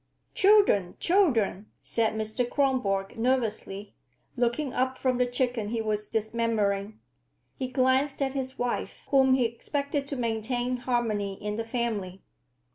"Children, children!" said Mr. Kronborg nervously, looking up from the chicken he was dismembering. He glanced at his wife, whom he expected to maintain harmony in the family.